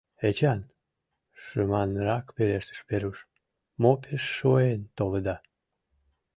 — Эчан, — шыманрак пелештыш Веруш, — мо пеш шуэн толыда?